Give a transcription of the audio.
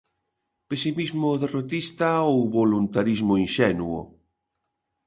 Pesimismo derrotista ou voluntarismo inxenuo.